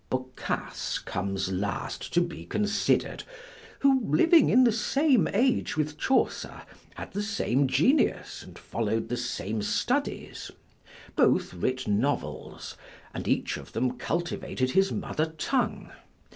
Boccace comes last to be consider'd, who living in the same age with Chaucer, had the same genius, and follow'd the same studies: both writ novels, and each of them cultivated his mother tongue.